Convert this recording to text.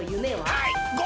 はい！